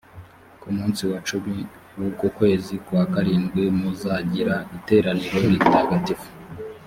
ku munsi wa cumi w’uko kwezi kwa karindwi, muzagira iteraniro ritagatifu.